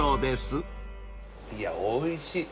いやおいしい。